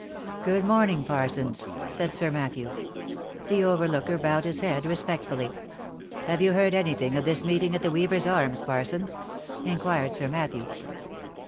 " Good morning, Parsons," said Sir Matthew. The overlooker bowed his head respectfully. " Have you heard any thing of this meeting at the Weavers' Arms, Parsons ?" inquired Sir Matthew.